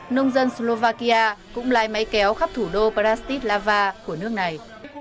nông dân slovakia cũng lai máy kéo khắp thủ đô bratislava của nước này